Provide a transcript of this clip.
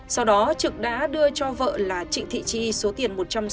sau đó trực đã đưa cho vợ là trịnh thị chi số tiền một trăm sáu mươi